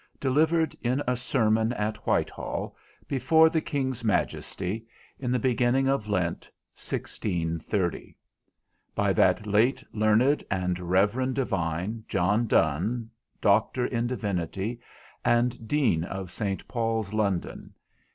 _ DELIVERED IN A SERMON AT WHITEHALL, BEFORE THE KING'S MAJESTY, IN THE BEGINNING OF LENT, 1630. _BY THAT LATE LEARNED AND REVEREND DIVINE, JOHN DONNE, DR. IN DIVINITY, AND DEAN OF ST. PAUL'S, LONDON.